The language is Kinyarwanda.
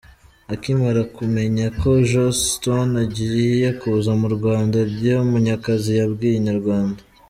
Akimara kumenya ko Joss Stone agiye kuza mu Rwanda, Deo Munyakazi yabwiye Inyarwanda.